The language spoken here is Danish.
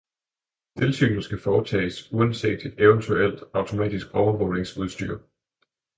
Tilsynet skal foretages uanset et eventuelt automatisk overvågningsudstyr.